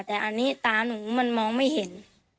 แต่อันนี้ตาหนูมันมองไม่เห็น